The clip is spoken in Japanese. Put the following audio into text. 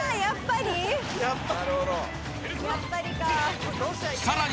やっぱりか。